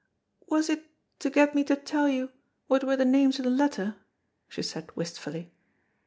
"Was it to get me to tell you what were the names in the letter?" she said, wistfully.